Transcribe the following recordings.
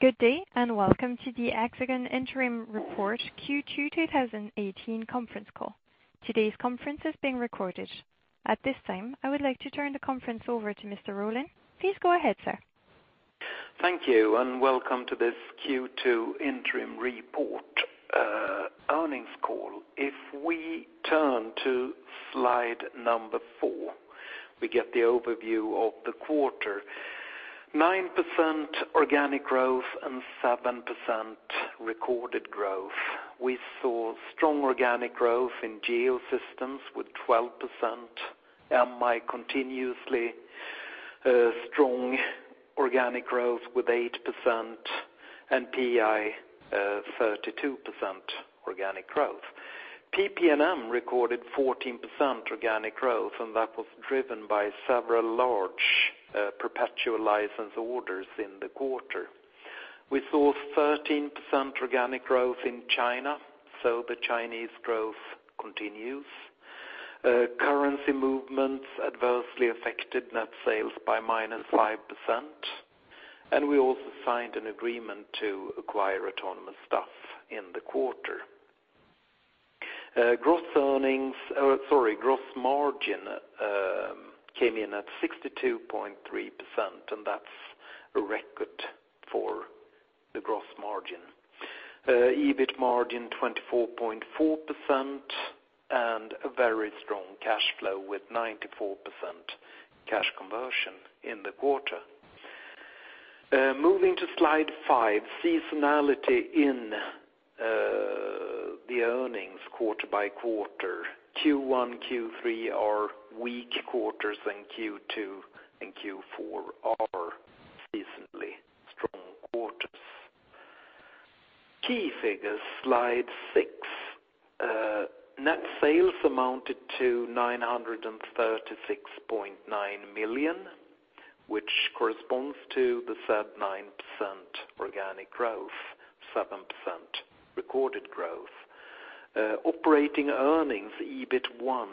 Good day, and welcome to the Hexagon Interim Report Q2 2018 conference call. Today's conference is being recorded. At this time, I would like to turn the conference over to Mr. Rollén. Please go ahead, sir. Thank you, and welcome to this Q2 interim report earnings call. If we turn to slide number four, we get the overview of the quarter, 9% organic growth and 7% recorded growth. We saw strong organic growth in Geosystems with 12%, MI continuously strong organic growth with 8%, and PI 32% organic growth. PP&M recorded 14% organic growth, and that was driven by several large perpetual license orders in the quarter. We saw 13% organic growth in China, the Chinese growth continues. Currency movements adversely affected net sales by minus 5%, and we also signed an agreement to acquire AutonomouStuff in the quarter. Gross margin came in at 62.3%, and that's a record for the gross margin. EBIT margin 24.4%, and a very strong cash flow with 94% cash conversion in the quarter. Moving to slide five, seasonality in the earnings quarter by quarter. Q1, Q3 are weak quarters, and Q2 and Q4 are seasonally strong quarters. Key figures, slide six. Net sales amounted to 936.9 million, which corresponds to the said 9% organic growth, 7% recorded growth. Operating earnings, EBIT1,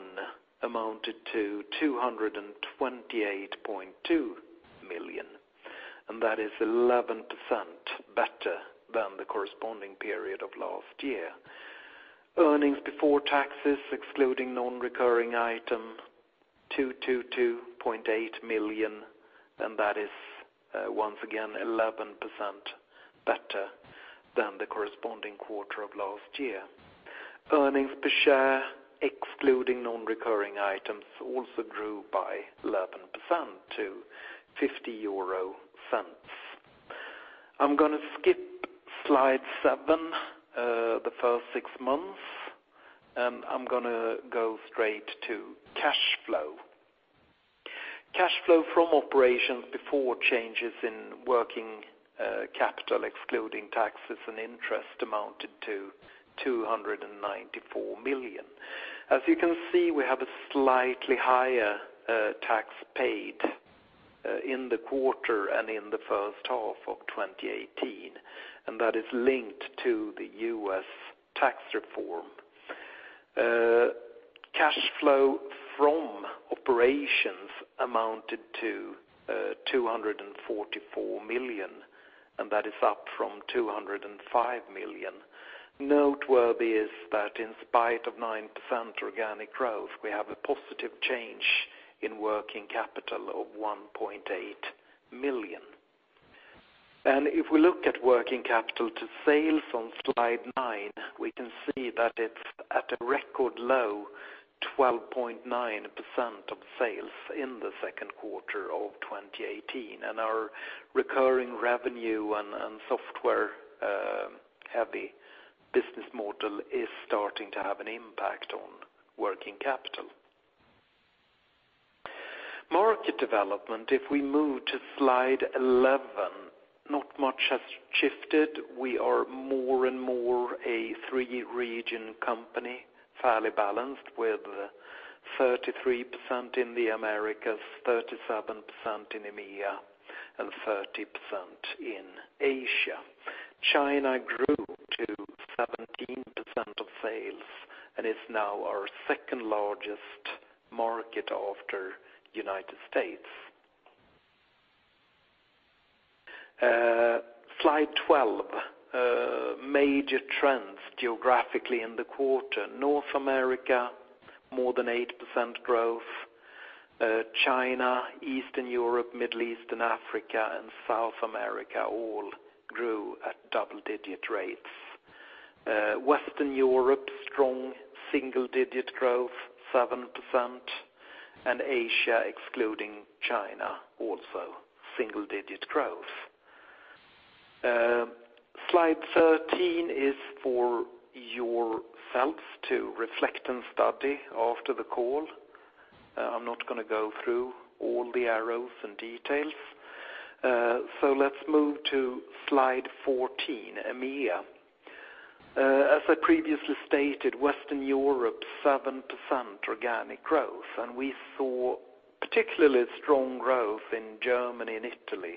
amounted to 228.2 million, and that is 11% better than the corresponding period of last year. Earnings before taxes excluding non-recurring item, 222.8 million, and that is once again 11% better than the corresponding quarter of last year. Earnings per share, excluding non-recurring items, also grew by 11% to 0.50. I'm going to skip slide seven, the first six months, and I'm going to go straight to cash flow. Cash flow from operations before changes in working capital, excluding taxes and interest, amounted to 294 million. As you can see, we have a slightly higher tax paid in the quarter and in the first half of 2018, and that is linked to the U.S. tax reform. Cash flow from operations amounted to 244 million, and that is up from 205 million. Noteworthy is that in spite of 9% organic growth, we have a positive change in working capital of 1.8 million. If we look at working capital to sales on slide nine, we can see that it's at a record low 12.9% of sales in the second quarter of 2018, and our recurring revenue and software-heavy business model is starting to have an impact on working capital. Market development, if we move to slide 11, not much has shifted. We are more and more a three-region company, fairly balanced, with 33% in the Americas, 37% in EMEA, and 30% in Asia. China grew to 17% of sales and is now our second-largest market after U.S. Slide 12. Major trends geographically in the quarter. North America, more than 8% growth. China, Eastern Europe, Middle East and Africa, and South America all grew at double-digit rates. Western Europe, strong single-digit growth, 7%, and Asia, excluding China, also single-digit growth. Slide 13 is for yourselves to reflect and study after the call. I'm not going to go through all the arrows and details. Let's move to slide 14, EMEA. As I previously stated, Western Europe, 7% organic growth, and we saw particularly strong growth in Germany and Italy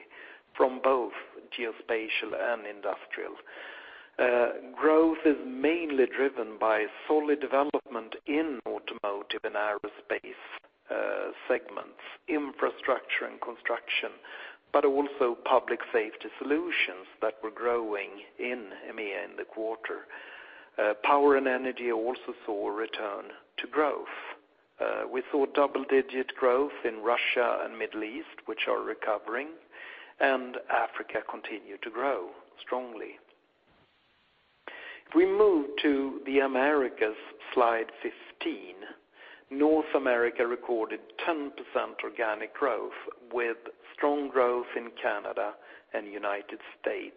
from both geospatial and industrial. Growth is mainly driven by solid development in automotive and aerospace segments, infrastructure and construction, but also public safety solutions that were growing in EMEA in the quarter. Power and energy also saw a return to growth. We saw double-digit growth in Russia and Middle East, which are recovering, and Africa continued to grow strongly. If we move to the Americas, slide 15, North America recorded 10% organic growth, with strong growth in Canada and U.S.,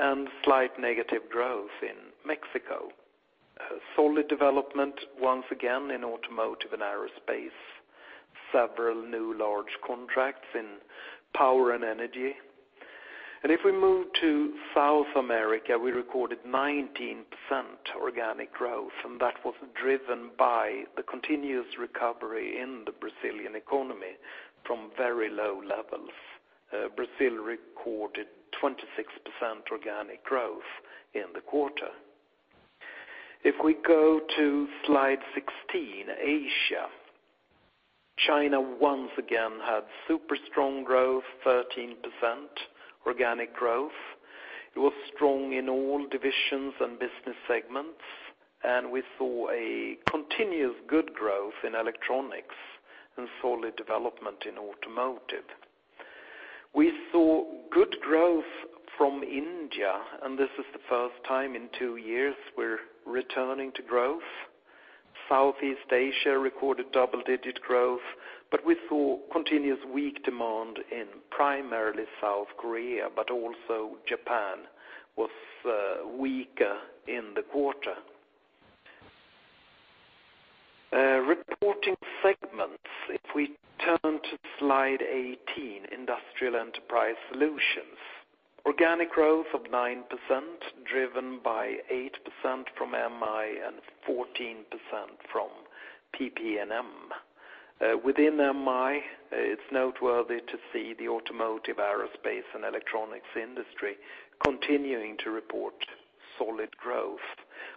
and slight negative growth in Mexico. Solid development, once again, in automotive and aerospace. Several new large contracts in power and energy. If we move to South America, we recorded 19% organic growth, and that was driven by the continuous recovery in the Brazilian economy from very low levels. Brazil recorded 26% organic growth in the quarter. If we go to slide 16, Asia. China once again had super strong growth, 13% organic growth. It was strong in all divisions and business segments, and we saw a continuous good growth in electronics and solid development in automotive. We saw good growth from India, and this is the first time in two years we're returning to growth. Southeast Asia recorded double-digit growth, we saw continuous weak demand in primarily South Korea, but also Japan was weaker in the quarter. Reporting segments, if we turn to slide 18, Industrial Enterprise Solutions. Organic growth of 9%, driven by 8% from MI and 14% from PP&M. Within MI, it's noteworthy to see the automotive, aerospace, and electronics industry continuing to report solid growth,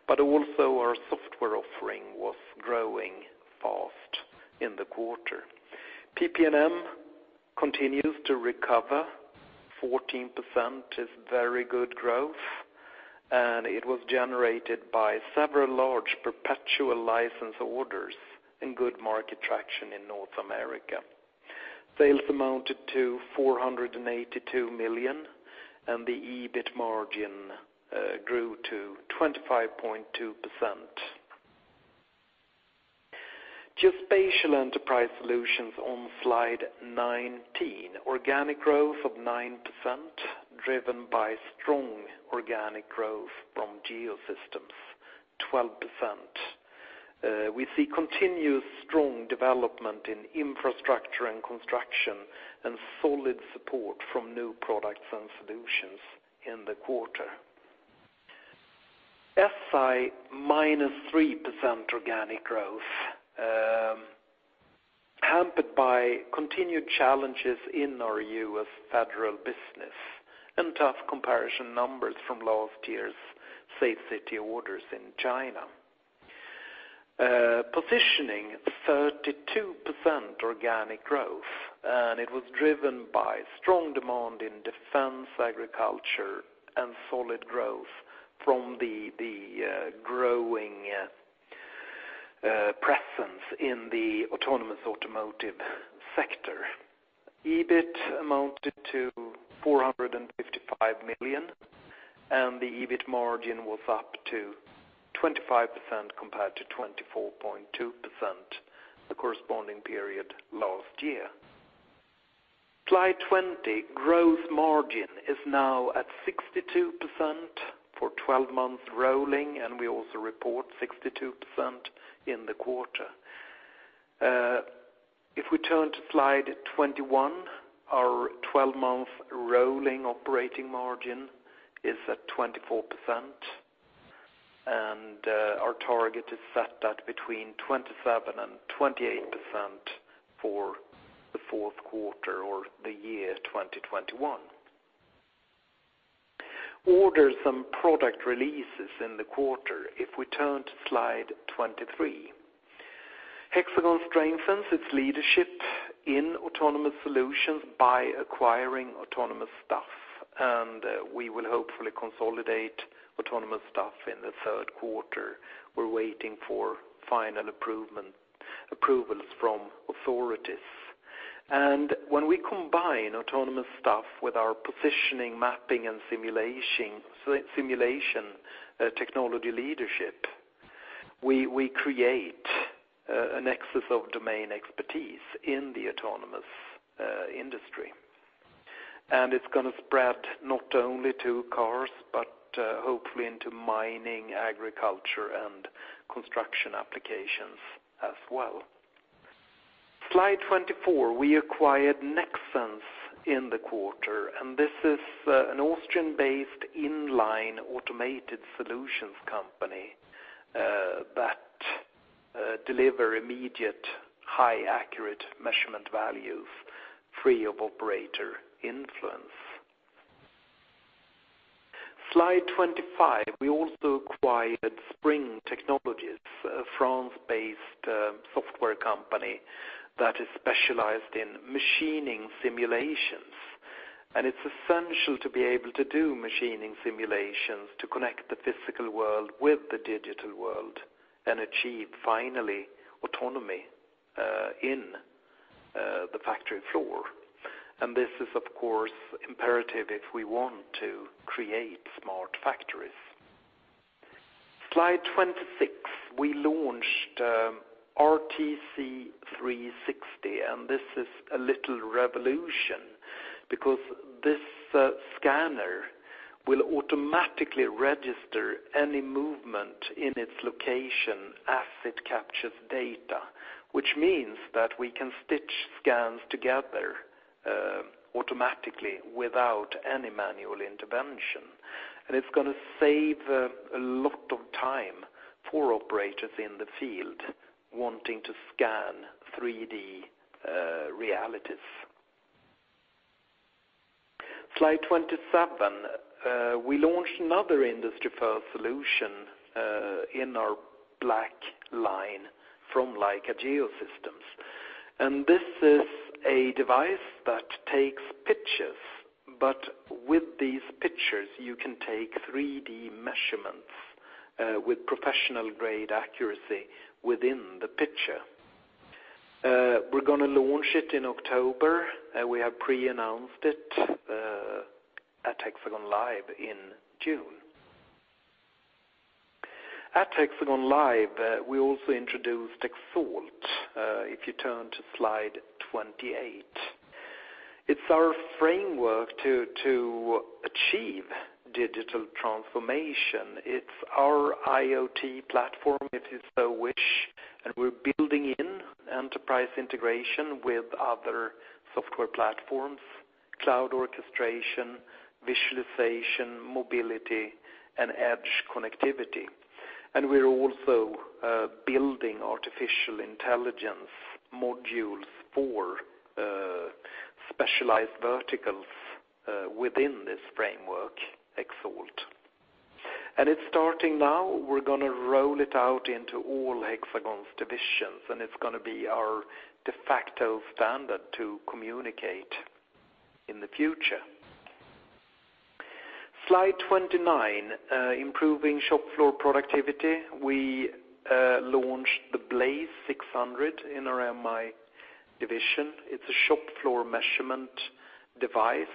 but also our software offering was growing fast in the quarter. PP&M continues to recover. 14% is very good growth, and it was generated by several large perpetual license orders and good market traction in North America. Sales amounted to 482 million, and the EBIT margin grew to 25.2%. Geospatial Enterprise Solutions on slide 19. Organic growth of 9%, driven by strong organic growth from Geosystems, 12%. We see continuous strong development in infrastructure and construction, solid support from new products and solutions in the quarter. S&I, -3% organic growth, hampered by continued challenges in our U.S. federal business and tough comparison numbers from last year's safe city orders in China. Positioning, 32% organic growth, it was driven by strong demand in defense, agriculture, and solid growth from the growing presence in the autonomous automotive sector. EBIT amounted to 455 million, and the EBIT margin was up to 25% compared to 24.2% the corresponding period last year. Slide 20, growth margin is now at 62% for 12 months rolling, and we also report 62% in the quarter. If we turn to slide 21, our 12-month rolling operating margin is at 24%, and our target is set at between 27% and 28% for the fourth quarter or the year 2021. Orders and product releases in the quarter, if we turn to slide 23. Hexagon strengthens its leadership in autonomous solutions by acquiring AutonomouStuff, we will hopefully consolidate AutonomouStuff in the third quarter. We're waiting for final approvals from authorities. When we combine AutonomouStuff with our positioning, mapping, and simulation technology leadership, we create a nexus of domain expertise in the autonomous industry. It's going to spread not only to cars, but hopefully into mining, agriculture, and construction applications as well. Slide 24, we acquired NEXTSENSE in the quarter. This is an Austrian-based in-line automated solutions company that delivers immediate, high accurate measurement values, free of operator influence. Slide 25. We also acquired SPRING Technologies, a France-based software company that is specialized in machining simulations. It's essential to be able to do machining simulations to connect the physical world with the digital world and achieve finally autonomy in the factory floor. This is, of course, imperative if we want to create smart factories. Slide 26. We launched RTC360. This is a little revolution because this scanner will automatically register any movement in its location as it captures data, which means that we can stitch scans together automatically without any manual intervention. It's going to save a lot of time for operators in the field wanting to scan 3D realities. Slide 27. We launched another industry-first solution in our BLK line from Leica Geosystems. This is a device that takes pictures, but with these pictures you can take 3D measurements with professional-grade accuracy within the picture. We're going to launch it in October. We have pre-announced it at Hexagon LIVE in June. At Hexagon LIVE, we also introduced HxGN. If you turn to slide 28, it's our framework to achieve digital transformation. It's our IoT platform, if you so wish. We're building in enterprise integration with other software platforms, cloud orchestration, visualization, mobility, and edge connectivity. We're also building artificial intelligence modules for specialized verticals within this framework, HxGN. It's starting now. We're going to roll it out into all Hexagon's divisions, and it's going to be our de facto standard to communicate in the future. Slide 29. Improving shop floor productivity. We launched the BLAZE 600 in our MI division. It's a shop floor measurement device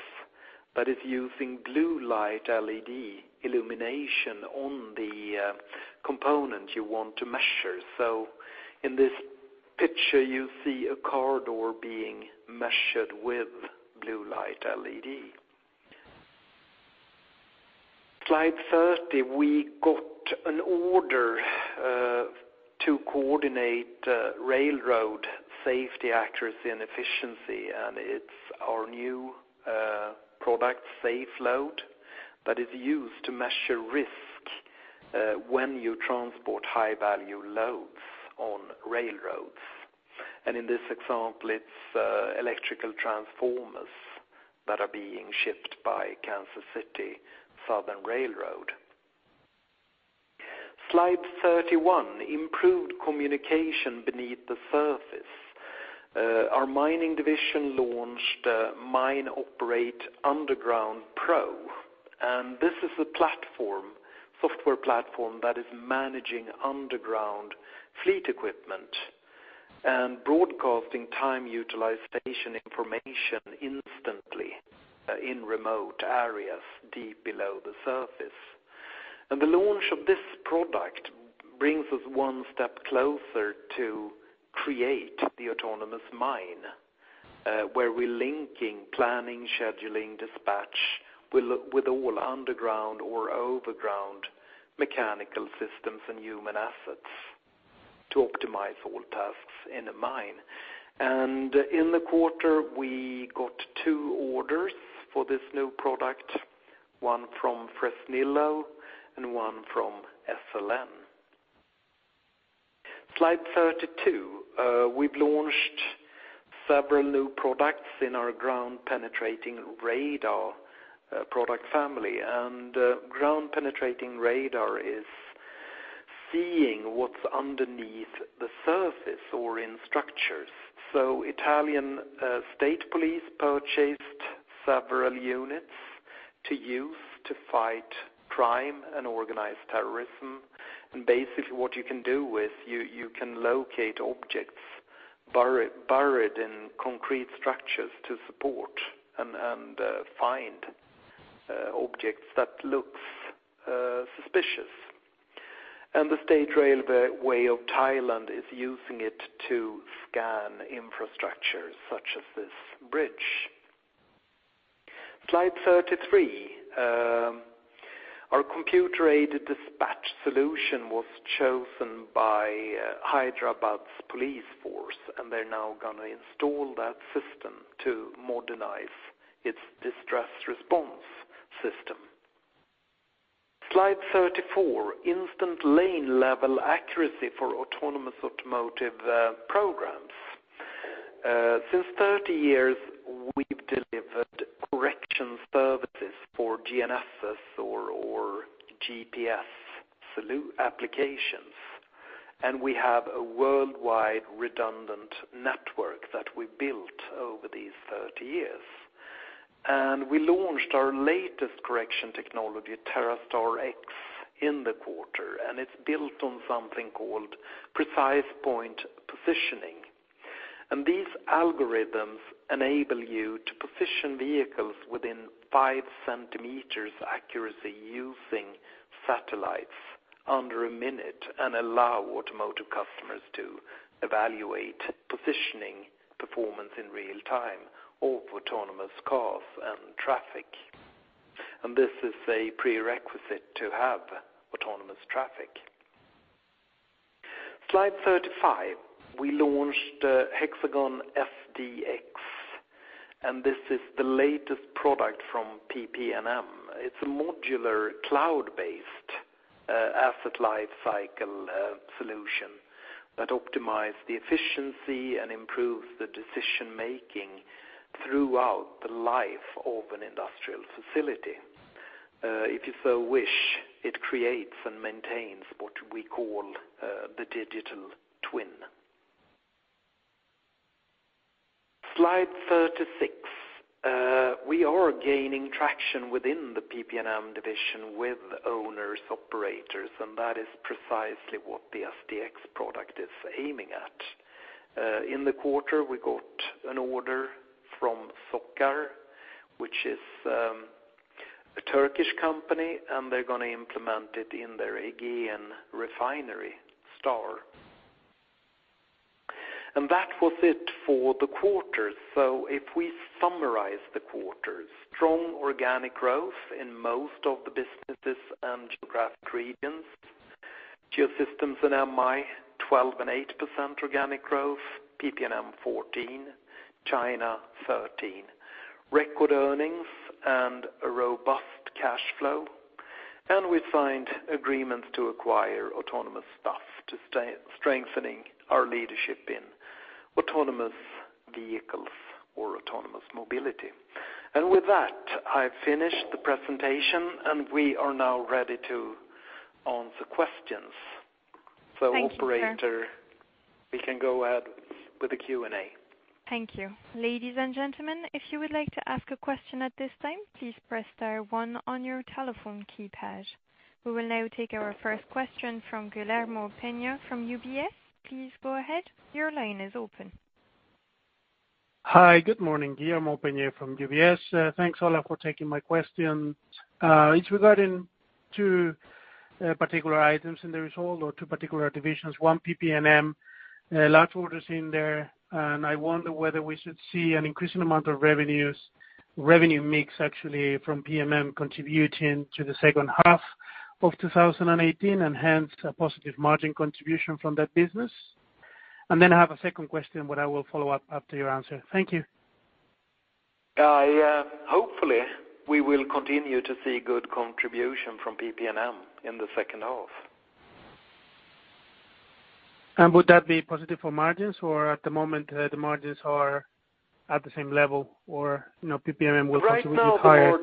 that is using blue light LED illumination on the component you want to measure. So in this picture, you see a car door being measured with blue light LED. Slide 30. We got an order to coordinate railroad safety, accuracy, and efficiency. It's our new product, SafeLoad, that is used to measure risk when you transport high-value loads on railroads. In this example, it's electrical transformers that are being shipped by Kansas City Southern Railroad. Slide 31, improved communication beneath the surface. Our mining division launched MineOperate Underground Pro. This is a software platform that is managing underground fleet equipment and broadcasting time utilization information instantly in remote areas, deep below the surface. The launch of this product brings us one step closer to create the autonomous mine, where we're linking planning, scheduling, dispatch with all underground or overground mechanical systems and human assets to optimize all tasks in a mine. In the quarter, we got two orders for this new product, one from Fresnillo and one from SLM. Slide 32. We've launched several new products in our ground-penetrating radar product family. Ground-penetrating radar is seeing what's underneath the surface or in structures. Italian state police purchased several units to use to fight crime and organized terrorism. Basically what you can do with, you can locate objects buried in concrete structures to support and find objects that looks suspicious. The State Railway of Thailand is using it to scan infrastructure such as this bridge. Slide 33. Our computer-aided dispatch solution was chosen by Hyderabad's police force, and they're now going to install that system to modernize its distress response system. Slide 34, instant lane level accuracy for autonomous automotive programs. Since 30 years, we've delivered correction services for GNSS or GPS applications, and we have a worldwide redundant network that we built over these 30 years. We launched our latest correction technology, TerraStar-X, in the quarter, and it's built on something called precise point positioning. These algorithms enable you to position vehicles within five centimeters accuracy using satellites under a minute and allow automotive customers to evaluate positioning performance in real time of autonomous cars and traffic. This is a prerequisite to have autonomous traffic. Slide 35. We launched Hexagon SDx, and this is the latest product from PP&M. It's a modular cloud-based asset lifecycle solution that optimize the efficiency and improves the decision making throughout the life of an industrial facility. If you so wish, it creates and maintains what we call the digital twin. Slide 36. We are gaining traction within the PP&M division with owners, operators, and that is precisely what the SDx product is aiming at. In the quarter, we got an order from SOCAR, which is a Turkish company, and they're going to implement it in their Aegean STAR Refinery. That was it for the quarter. If we summarize the quarter, strong organic growth in most of the businesses and geographic regions. Geosystems and MI, 12% and 8% organic growth, PP&M 14%, China 13%. Record earnings and a robust cash flow. We find agreements to acquire AutonomouStuff to strengthening our leadership in autonomous vehicles or autonomous mobility. With that, I've finished the presentation, and we are now ready to answer questions. Thank you. Operator, we can go ahead with the Q&A. Thank you. Ladies and gentlemen, if you would like to ask a question at this time, please press star one on your telephone keypad. We will now take our first question from Guillermo Peigneux from UBS. Please go ahead. Your line is open. Hi. Good morning. Guillermo Peigneux from UBS. Thanks, Ola, for taking my question. It is regarding two particular items in the result or two particular divisions. One, PP&M, large orders in there, and I wonder whether we should see an increasing amount of revenue mix actually from PP&M contributing to the second half of 2018, and hence a positive margin contribution from that business? Then I have a second question, what I will follow up after your answer. Thank you. Hopefully, we will continue to see good contribution from PP&M in the second half. Would that be positive for margins or at the moment the margins are at the same level, or PP&M will possibly be higher?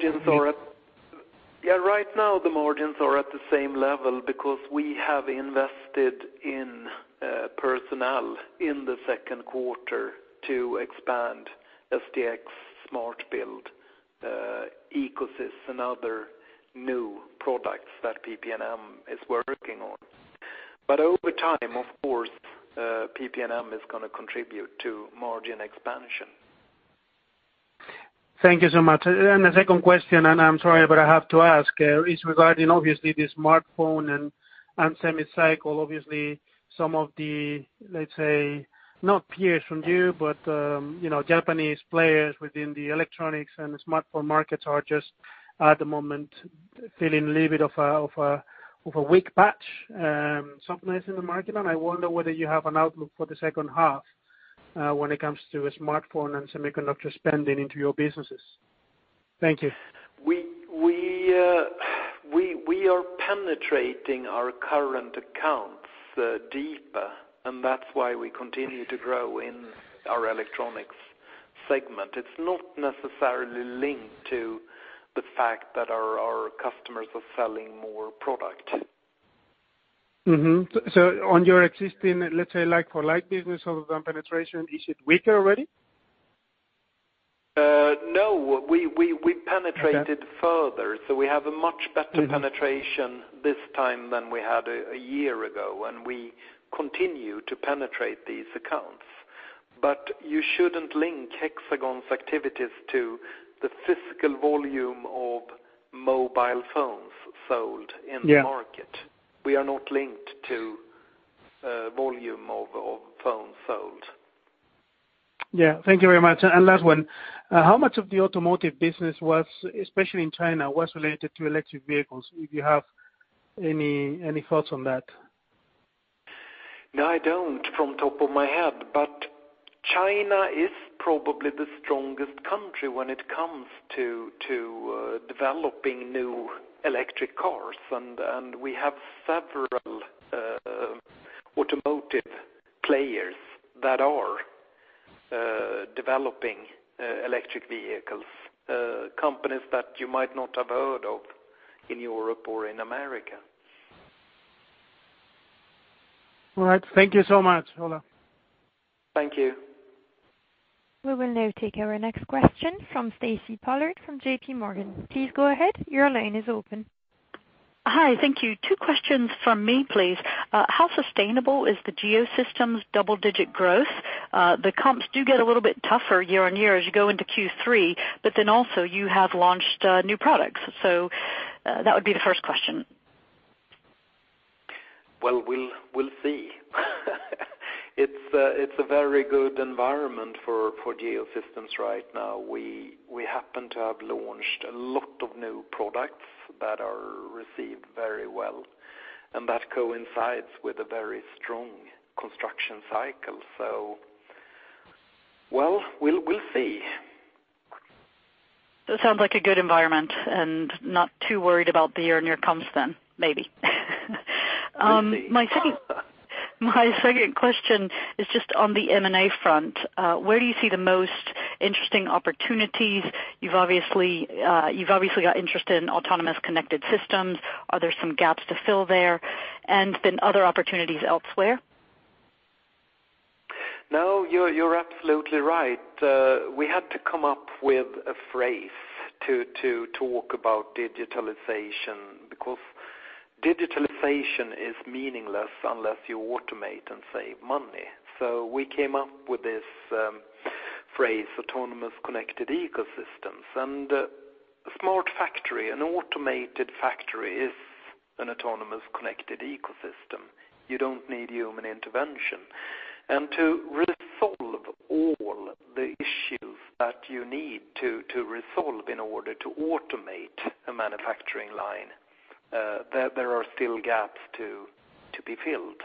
Right now the margins are at the same level because we have invested in personnel in the second quarter to expand SDx, HxGN SMART Build, EcoSys and other new products that PP&M is working on. Over time, of course, PP&M is going to contribute to margin expansion. Thank you so much. The second question, I am sorry, but I have to ask, is regarding obviously the smartphone and semi cycle. Obviously some of the, let us say, not peers from you, but Japanese players within the electronics and the smartphone markets are just at the moment feeling a little bit of a weak patch softness in the market, and I wonder whether you have an outlook for the second half when it comes to smartphone and semiconductor spending into your businesses. Thank you. We are penetrating our current accounts deeper, that is why we continue to grow in our electronics segment. It is not necessarily linked to the fact that our customers are selling more product. Mm-hmm. On your existing, let's say like for like business other than penetration, is it weaker already? No. We penetrated further. We have a much better penetration this time than we had a year ago, and we continue to penetrate these accounts. You shouldn't link Hexagon's activities to the physical volume of mobile phones sold in the market. Yeah. We are not linked to volume of phones sold. Yeah. Thank you very much. Last one. How much of the automotive business, especially in China, was related to electric vehicles? If you have any thoughts on that. No, I don't from top of my head, China is probably the strongest country when it comes to developing new electric cars. We have several automotive players that are developing electric vehicles, companies that you might not have heard of in Europe or in the U.S. All right. Thank you so much, Ola. Thank you. We will now take our next question from Stacy Pollard from J.P. Morgan. Please go ahead. Your line is open. Hi. Thank you. Two questions from me, please. How sustainable is the Geosystems' double-digit growth? The comps do get a little bit tougher year-on-year as you go into Q3. Also, you have launched new products. That would be the first question. We'll see. It is a very good environment for Geosystems right now. We happen to have launched a lot of new products that are received very well, and that coincides with a very strong construction cycle. We'll see. It sounds like a good environment. Not too worried about the year-on-year comps, maybe. We'll see. My second question is just on the M&A front. Where do you see the most interesting opportunities? You've obviously got interested in autonomous connected systems. Are there some gaps to fill there? Other opportunities elsewhere? No, you're absolutely right. We had to come up with a phrase to talk about digitalization because digitalization is meaningless unless you automate and save money. We came up with this phrase, autonomous connected ecosystems. A smart factory, an automated factory is an autonomous connected ecosystem. You don't need human intervention. To resolve all the issues that you need to resolve in order to automate a manufacturing line, there are still gaps to be filled.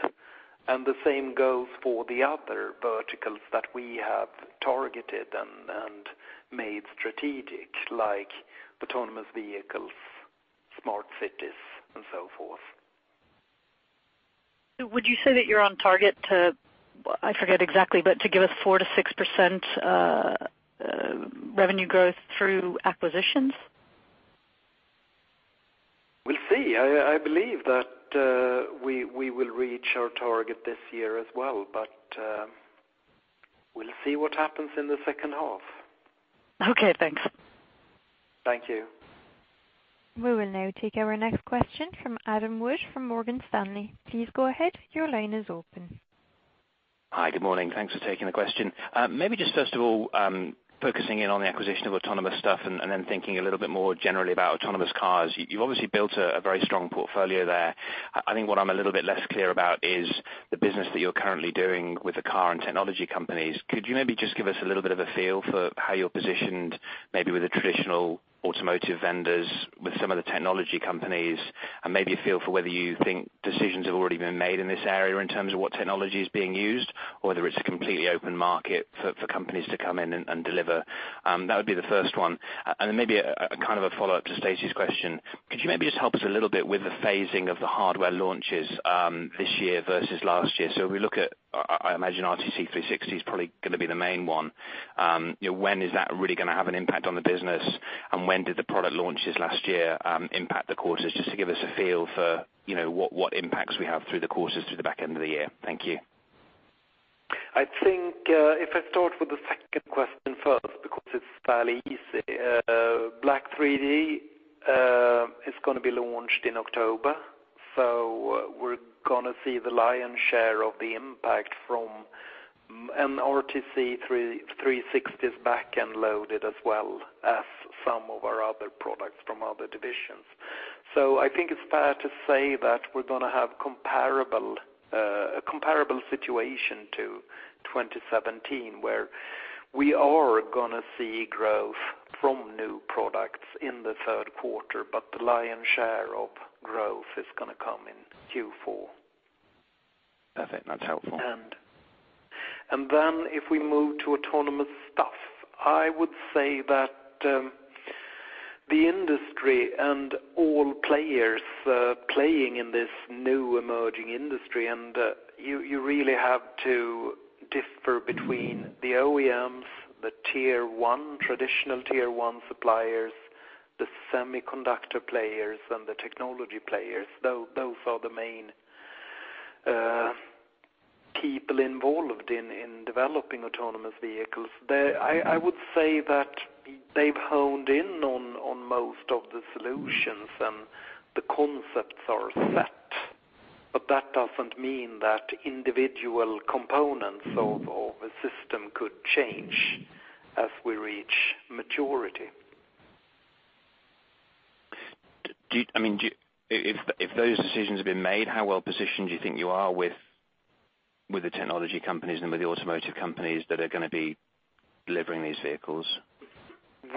The same goes for the other verticals that we have targeted and made strategic, like autonomous vehicles, smart cities, and so forth. Would you say that you're on target to, I forget exactly, but to give us 4%-6% revenue growth through acquisitions? We'll see. I believe that we will reach our target this year as well, but we'll see what happens in the second half. Okay, thanks. Thank you. We will now take our next question from Adam Wood from Morgan Stanley. Please go ahead. Your line is open. Hi. Good morning. Thanks for taking the question. Maybe just first of all, focusing in on the acquisition of AutonomouStuff and then thinking a little bit more generally about autonomous cars. You've obviously built a very strong portfolio there. I think what I'm a little bit less clear about is the business that you're currently doing with the car and technology companies. Could you maybe just give us a little bit of a feel for how you're positioned, maybe with the traditional automotive vendors, with some of the technology companies, and maybe a feel for whether you think decisions have already been made in this area in terms of what technology is being used, or whether it's a completely open market for companies to come in and deliver? That would be the first one. Then maybe a follow-up to Stacy's question. Could you maybe just help us a little bit with the phasing of the hardware launches this year versus last year? If we look at, I imagine RTC360 is probably going to be the main one. When is that really going to have an impact on the business, and when did the product launches last year impact the quarters? Just to give us a feel for what impacts we have through the quarters through the back end of the year. Thank you. I think, if I start with the second question first because it's fairly easy. BLK3D is going to be launched in October. We're going to see the lion's share of the impact from an RTC360 is back and loaded as well as some of our other products from other divisions. I think it's fair to say that we're going to have a comparable situation to 2017, where we are going to see growth from new products in the third quarter, but the lion's share of growth is going to come in Q4. Perfect. That's helpful. If we move to AutonomouStuff, I would say that the industry and all players playing in this new emerging industry, you really have to differ between the OEMs, the traditional Tier 1 suppliers, the semiconductor players, and the technology players. Those are the main people involved in developing autonomous vehicles. I would say that they've honed in on most of the solutions and the concepts are set, but that doesn't mean that individual components of a system could change as we reach maturity. If those decisions have been made, how well-positioned do you think you are with the technology companies and with the automotive companies that are going to be delivering these vehicles?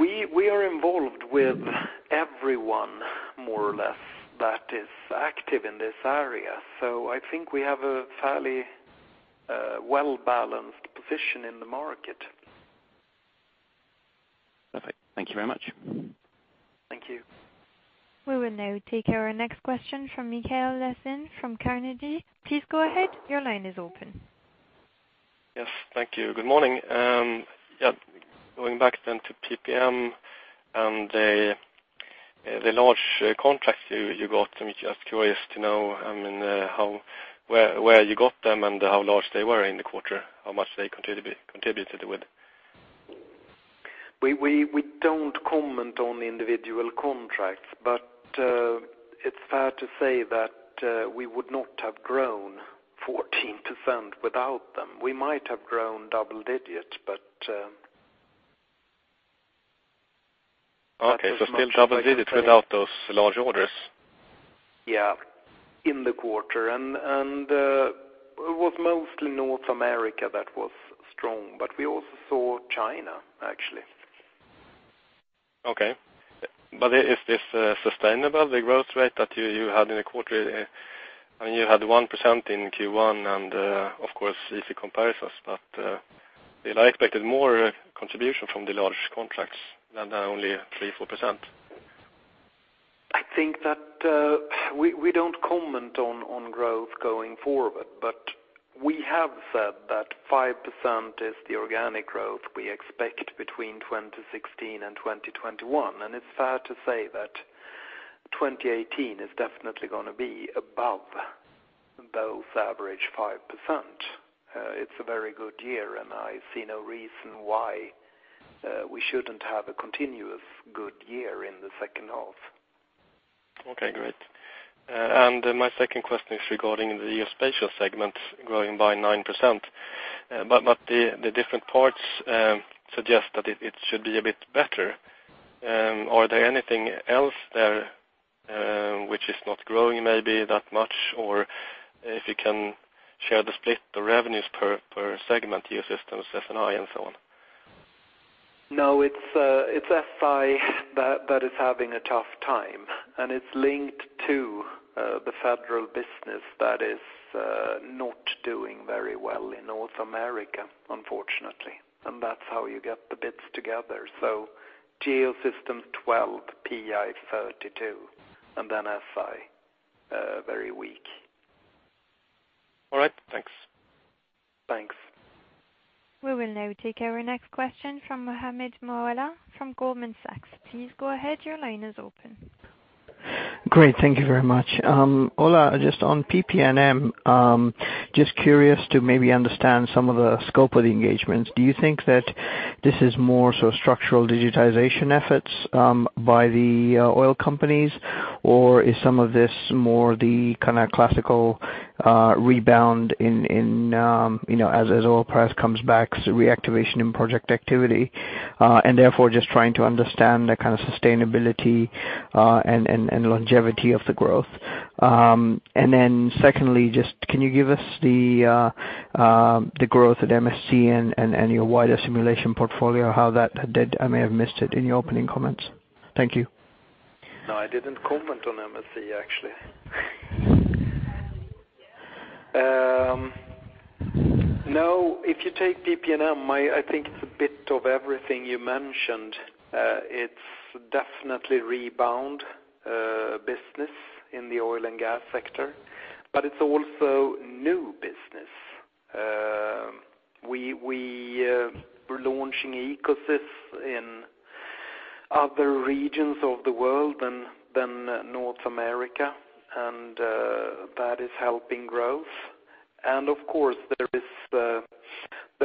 We are involved with everyone, more or less, that is active in this area. I think we have a fairly well-balanced position in the market. Perfect. Thank you very much. Thank you. We will now take our next question from Mikael Laséen from Carnegie. Please go ahead. Your line is open. Yes. Thank you. Good morning. Going back to PP&M and the large contracts you got, I'm just curious to know where you got them and how large they were in the quarter, how much they contributed with. We don't comment on individual contracts, it's fair to say that we would not have grown 14% without them. We might have grown double digits. Okay. Still double digits without those large orders? Yeah. In the quarter. It was mostly North America that was strong, but we also saw China, actually. Okay. Is this sustainable, the growth rate that you had in the quarter? You had 1% in Q1 and, of course, easy comparisons, but I expected more contribution from the large contracts than only 3%-4%. I think that we don't comment on growth going forward, but we have said that 5% is the organic growth we expect between 2016 and 2021. It's fair to say that 2018 is definitely going to be above those average 5%. It's a very good year, and I see no reason why we shouldn't have a continuous good year in the second half. Okay, great. My second question is regarding the Geospatial segment growing by 9%, but the different parts suggest that it should be a bit better. Are there anything else there which is not growing maybe that much? If you can share the split, the revenues per segment, Geosystems, S&I, and so on. No, it's S&I that is having a tough time, and it's linked to the federal business that is not doing very well in North America, unfortunately. That's how you get the bits together. Geosystems 12, PI 32, and then S&I, very weak. All right. Thanks. Thanks. We will now take our next question from Mohammed Moawalla from Goldman Sachs. Please go ahead, your line is open. Great. Thank you very much. Ola, just on PP&M, just curious to maybe understand some of the scope of the engagements. Do you think that this is more so structural digitization efforts by the oil companies? Or is some of this more the classical rebound as oil price comes back, so reactivation in project activity, and therefore just trying to understand the kind of sustainability and longevity of the growth. Then secondly, just can you give us the growth at MSC and your wider simulation portfolio, how that did? I may have missed it in your opening comments. Thank you. No, I didn't comment on MSC, actually. If you take PP&M, I think it's a bit of everything you mentioned. It's definitely rebound business in the oil and gas sector, but it's also new business. We're launching EcoSys in other regions of the world than North America, that is helping growth. Of course, there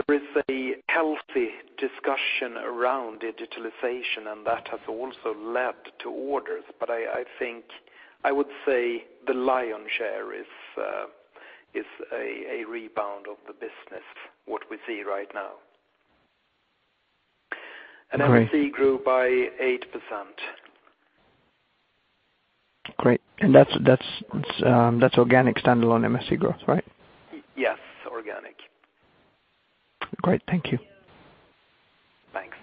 is a healthy discussion around digitalization, that has also led to orders. I think I would say the lion's share is a rebound of the business, what we see right now. Great. MSC grew by 8%. Great. That's organic standalone MSC growth, right? Yes, organic. Great. Thank you. Thanks.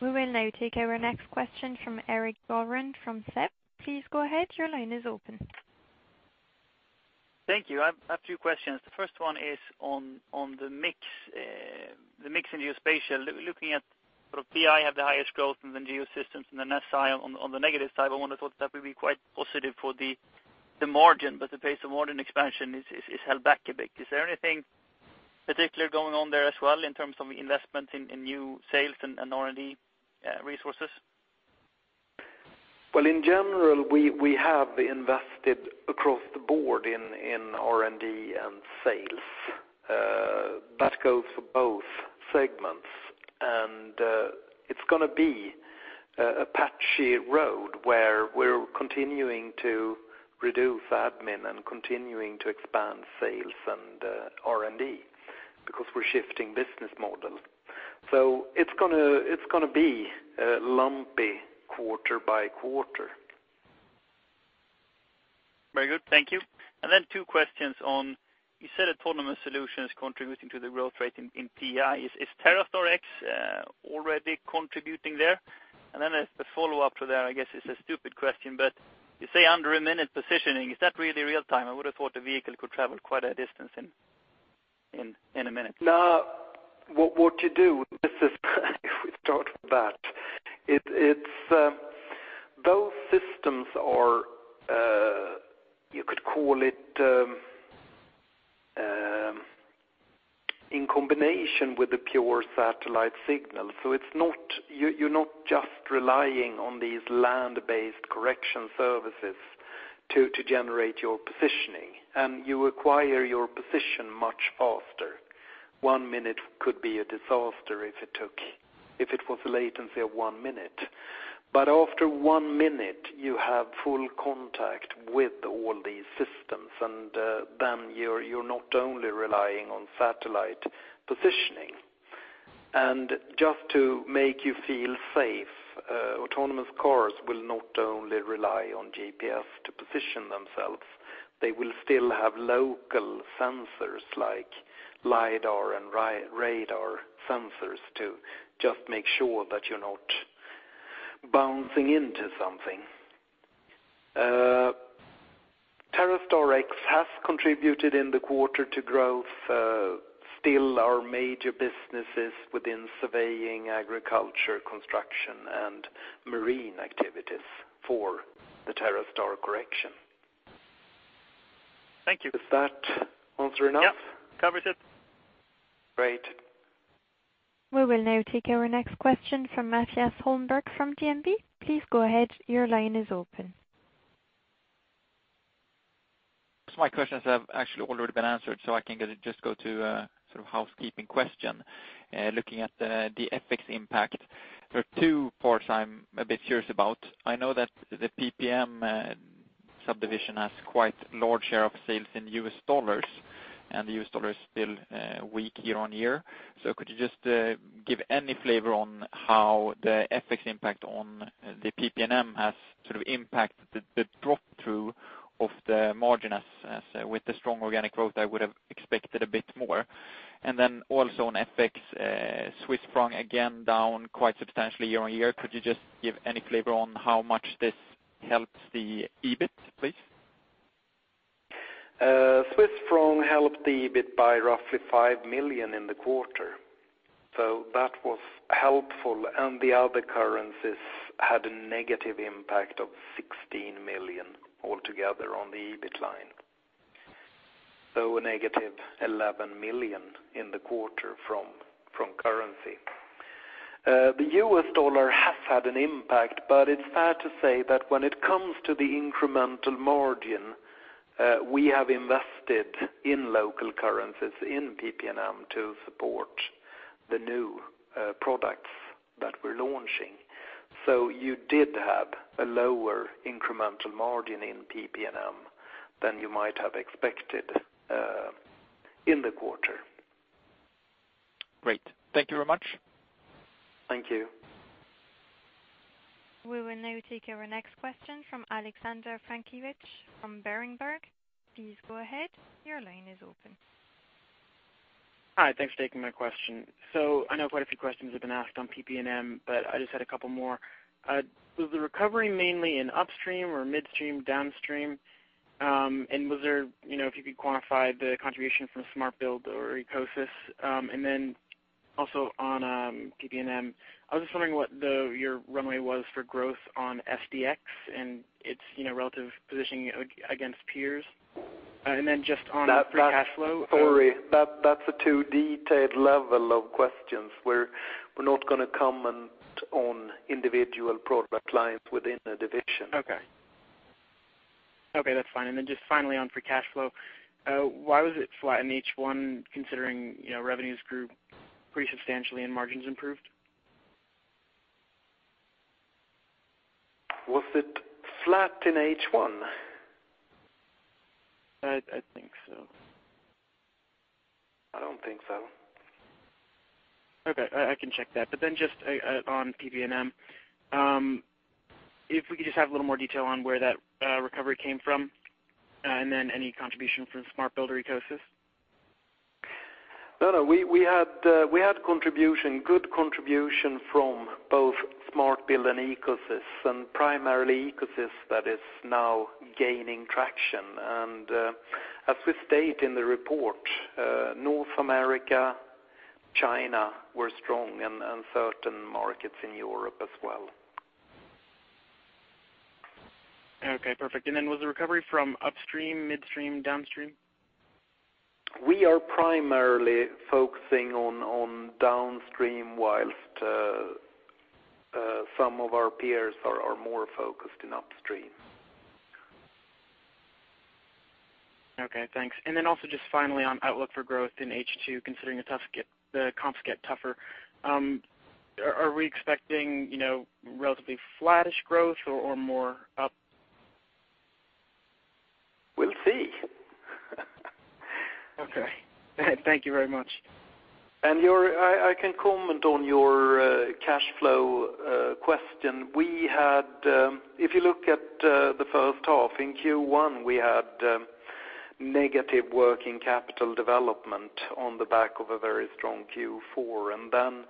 We will now take our next question from Erik Golrang from SEB. Please go ahead. Your line is open. Thank you. I have two questions. The first one is on the mix in geospatial. Looking at PI have the highest growth in the Geosystems and the S&I on the negative side, I would have thought that would be quite positive for the margin, but the pace of margin expansion is held back a bit. Is there anything particular going on there as well in terms of investment in new sales and R&D resources? Well, in general, we have invested across the board in R&D and sales. That goes for both segments. It's going to be a patchy road where we're continuing to reduce admin and continuing to expand sales and R&D because we're shifting business model. It's going to be lumpy quarter by quarter. Very good. Thank you. Two questions on, you said autonomous solutions contributing to the growth rate in PI. Is TerraStar X already contributing there? As the follow-up to that, I guess it's a stupid question, but you say under a minute positioning, is that really real-time? I would have thought the vehicle could travel quite a distance in a minute. No, what you do is, if we start with that. Those systems are, you could call it, in combination with the pure satellite signal. You're not just relying on these land-based correction services to generate your positioning, and you acquire your position much faster. One minute could be a disaster if it was latency of one minute. After one minute, you have full contact with all these systems, and then you're not only relying on satellite positioning. Just to make you feel safe, autonomous cars will not only rely on GPS to position themselves. They will still have local sensors like lidar and radar sensors to just make sure that you're not bouncing into something. TerraStar X has contributed in the quarter to growth. Still our major businesses within surveying agriculture, construction, and marine activities for the TerraStar correction. Thank you. Is that answer enough? Covers it. Great. We will now take our next question from Mattias Holmberg from DNB. Please go ahead. Your line is open. My questions have actually already been answered, I can just go to sort of housekeeping question, looking at the FX impact. There are two parts I'm a bit curious about. I know that the PP&M subdivision has quite large share of sales in US dollars, and the US dollar is still weak year-on-year. Could you just give any flavor on how the FX impact on the PP&M has sort of impacted the drop-through of the margin as with the strong organic growth, I would have expected a bit more. Then also on FX, Swiss franc again, down quite substantially year-on-year. Could you just give any flavor on how much this helps the EBIT, please? Swiss franc helped the EBIT by roughly 5 million in the quarter. That was helpful, and the other currencies had a negative impact of 16 million altogether on the EBIT line. A negative 11 million in the quarter from currency. The US dollar has had an impact, it's fair to say that when it comes to the incremental margin, we have invested in local currencies in PP&M to support the new products that we're launching. You did have a lower incremental margin in PP&M than you might have expected in the quarter. Great. Thank you very much. Thank you. We will now take our next question from Alexander Frankiewicz from Berenberg. Please go ahead. Your line is open. Hi. Thanks for taking my question. I know quite a few questions have been asked on PP&M, but I just had a couple more. Was the recovery mainly in upstream or midstream, downstream? If you could quantify the contribution from SMART Build or EcoSys. Also on PP&M, I was just wondering what your runway was for growth on SDx and its relative positioning against peers. Sorry. That's a too detailed level of questions. We're not going to comment on individual product lines within a division. Just finally on free cash flow, why was it flat in H1 considering revenues grew pretty substantially and margins improved? Was it flat in H1? I think so. I don't think so. Okay. I can check that. Just on PP&M, if we could just have a little more detail on where that recovery came from, any contribution from SMART Build and EcoSys. No, we had good contribution from both SMART Build and EcoSys, primarily EcoSys that is now gaining traction. As we state in the report, North America, China were strong and certain markets in Europe as well. Okay, perfect. Was the recovery from upstream, midstream, downstream? We are primarily focusing on downstream while some of our peers are more focused in upstream. Okay, thanks. Also just finally on outlook for growth in H2, considering the comps get tougher. Are we expecting relatively flattish growth or more up? We'll see Okay. Thank you very much. I can comment on your cash flow question. If you look at the first half, in Q1, we had negative working capital development on the back of a very strong Q4.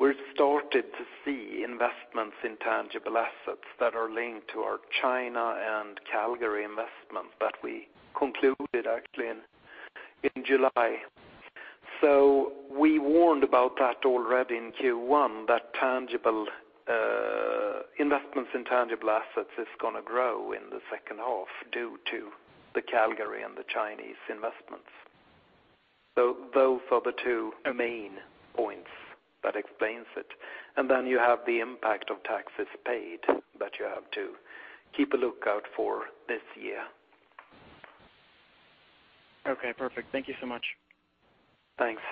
We started to see investments in tangible assets that are linked to our China and Calgary investments that we concluded actually in July. We warned about that already in Q1, that investments in tangible assets is going to grow in the second half due to the Calgary and the Chinese investments. Those are the two main points that explains it. You have the impact of taxes paid that you have to keep a lookout for this year. Okay, perfect. Thank you so much. Thanks.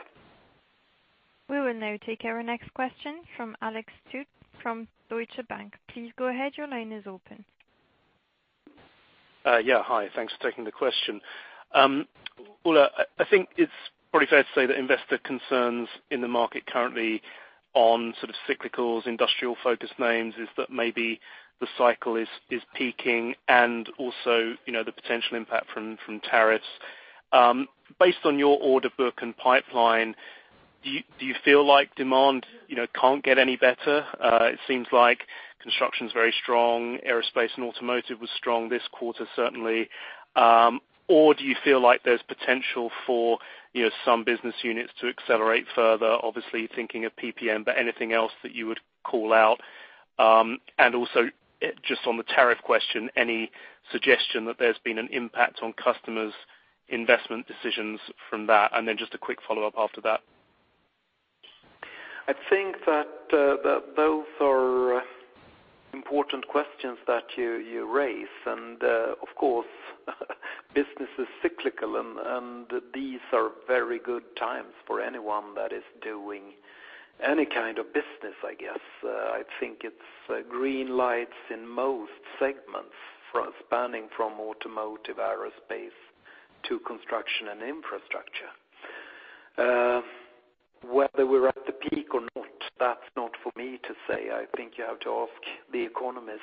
We will now take our next question from Alex Tout from Deutsche Bank. Please go ahead. Your line is open. Yeah. Hi. Thanks for taking the question. Ola, I think it's probably fair to say that investor concerns in the market currently on sort of cyclicals, industrial-focused names, is that maybe the cycle is peaking, the potential impact from tariffs. Based on your order book and pipeline, do you feel like demand can't get any better? It seems like construction's very strong. Aerospace and automotive was strong this quarter, certainly. Do you feel like there's potential for some business units to accelerate further, obviously thinking of PP&M, but anything else that you would call out? Just on the tariff question, any suggestion that there's been an impact on customers' investment decisions from that? Just a quick follow-up after that. I think that those are important questions that you raise. Of course, business is cyclical, and these are very good times for anyone that is doing any kind of business, I guess. I think it is green lights in most segments spanning from automotive, aerospace to construction and infrastructure. Whether we are at the peak or not, that is not for me to say. I think you have to ask the economists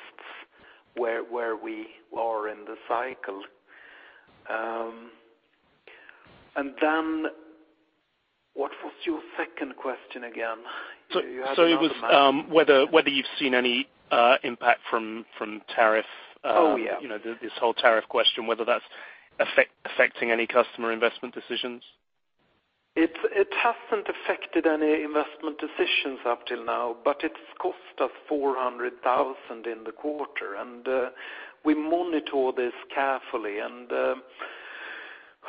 where we are in the cycle. What was your second question again? It was whether you have seen any impact from tariff- Oh, yeah. this whole tariff question, whether that is affecting any customer investment decisions. It hasn't affected any investment decisions up till now, but it's cost us 400,000 in the quarter. We monitor this carefully,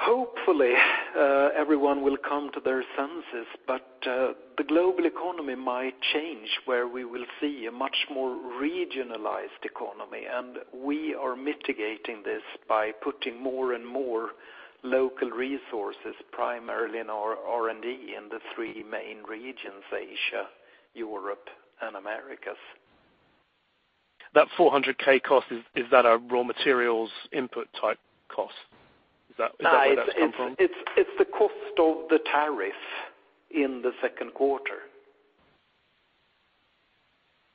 and hopefully, everyone will come to their senses. The global economy might change where we will see a much more regionalized economy, and we are mitigating this by putting more and more local resources, primarily in our R&D in the three main regions, Asia, Europe, and Americas. That 400 thousand cost, is that a raw materials input type cost? Is that where that's come from? It's the cost of the tariff in the second quarter.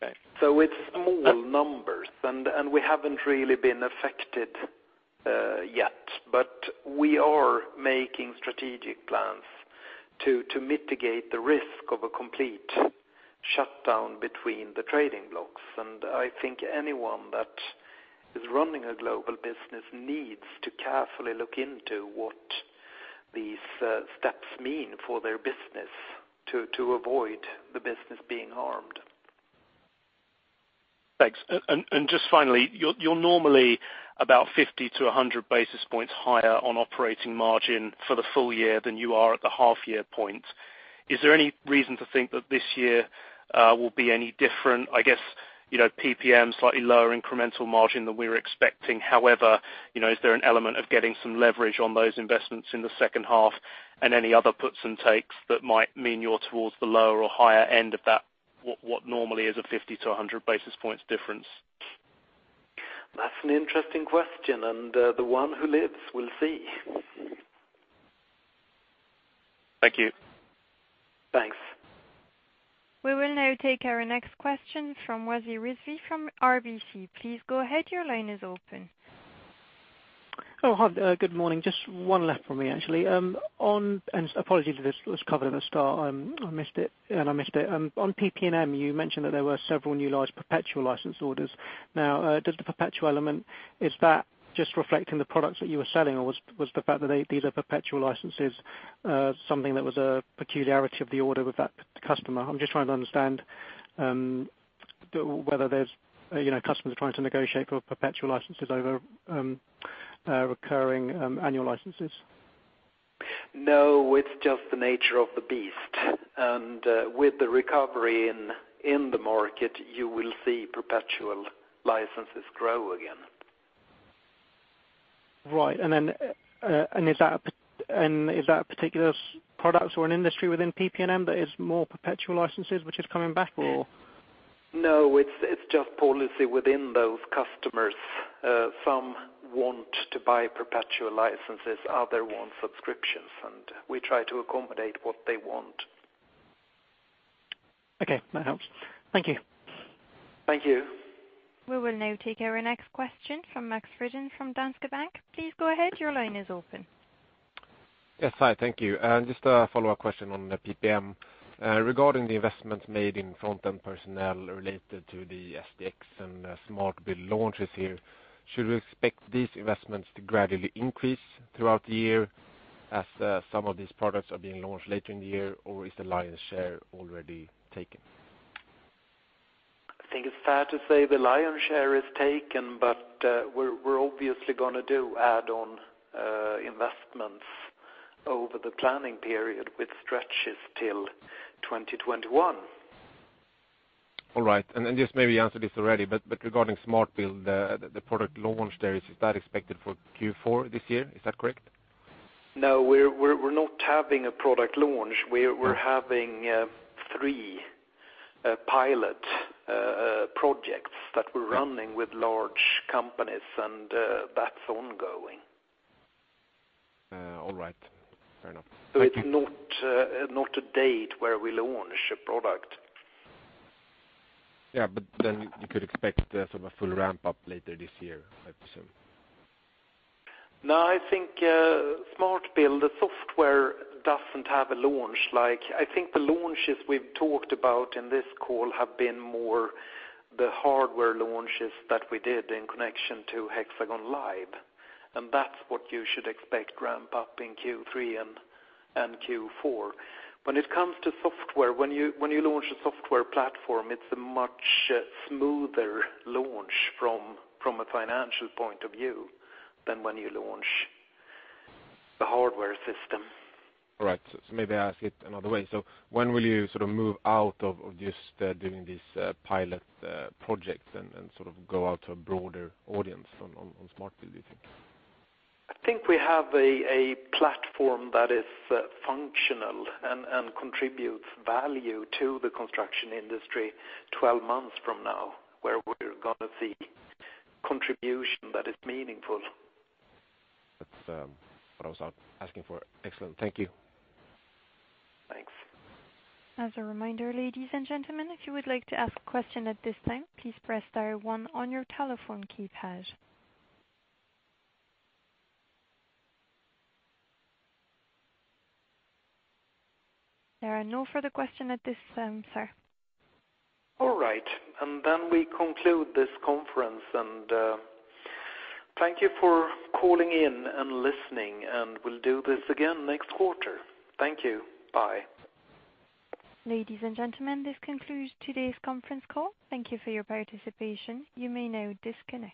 Okay. It's small numbers, and we haven't really been affected yet, but we are making strategic plans to mitigate the risk of a complete shutdown between the trading blocks. I think anyone that is running a global business needs to carefully look into what these steps mean for their business to avoid the business being harmed. Thanks. Just finally, you're normally about 50 to 100 basis points higher on operating margin for the full year than you are at the half-year point. Is there any reason to think that this year will be any different? I guess, PPM, slightly lower incremental margin than we were expecting. However, is there an element of getting some leverage on those investments in the second half and any other puts and takes that might mean you're towards the lower or higher end of that, what normally is a 50 to 100 basis points difference? That's an interesting question. The one who lives will see. Thank you. Thanks. We will now take our next question from Wasi Rizvi from RBC. Please go ahead. Your line is open. Oh, hi. Good morning. Just one left from me, actually. Apologies if this was covered at the start, I missed it. On PP&M, you mentioned that there were several new large perpetual license orders. Does the perpetual element, is that just reflecting the products that you were selling, or was the fact that these are perpetual licenses something that was a peculiarity of the order with that customer? I'm just trying to understand whether there's customers trying to negotiate for perpetual licenses over recurring annual licenses. No, it's just the nature of the beast. With the recovery in the market, you will see perpetual licenses grow again. Right. Is that a particular product or an industry within PP&M that is more perpetual licenses which is coming back or? No, it's just policy within those customers. Some want to buy perpetual licenses, others want subscriptions, and we try to accommodate what they want. Okay, that helps. Thank you. Thank you. We will now take our next question from Max Frydén from Danske Bank. Please go ahead. Your line is open. Yes. Hi, thank you. Just a follow-up question on the PP&M. Regarding the investments made in front-end personnel related to the SDx and SMART Build launches here, should we expect these investments to gradually increase throughout the year as some of these products are being launched later in the year? Or is the lion's share already taken? I think it's fair to say the lion's share is taken, but we're obviously going to do add-on investments over the planning period, which stretches till 2021. All right. Just maybe you answered this already, but regarding SMART Build, the product launch there, is that expected for Q4 this year? Is that correct? No, we're not having a product launch. We're having three pilot projects that we're running with large companies, and that's ongoing. All right. Fair enough. Thank you. It's not a date where we launch a product. You could expect some full ramp-up later this year, I presume. I think Smart Build, the software doesn't have a launch. I think the launches we've talked about in this call have been more the hardware launches that we did in connection to Hexagon LIVE, and that's what you should expect ramp up in Q3 and Q4. When it comes to software, when you launch a software platform, it's a much smoother launch from a financial point of view than when you launch the hardware system. Maybe I ask it another way. When will you move out of just doing these pilot projects and go out to a broader audience on Smart Build, do you think? I think we have a platform that is functional and contributes value to the construction industry 12 months from now, where we're going to see contribution that is meaningful. That's what I was asking for. Excellent. Thank you. Thanks. As a reminder, ladies and gentlemen, if you would like to ask a question at this time, please press dial 1 on your telephone keypad. There are no further question at this time, sir. All right. We conclude this conference, and thank you for calling in and listening, and we'll do this again next quarter. Thank you. Bye. Ladies and gentlemen, this concludes today's conference call. Thank you for your participation. You may now disconnect.